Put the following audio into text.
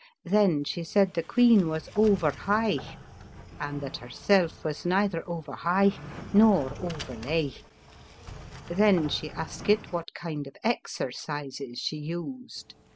" Then she said the queen was over heigh, and that herself was neither over heigh nor over laigh. Then she askit what kind of exercises she used.